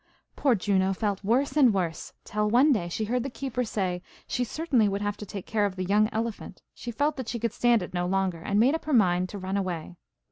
Poor Juno felt worse and worse, till when one day she heard the keeper say she certainly would have to take care of the young elephant, she felt that she could stand it no longer, and made up her mind to run away.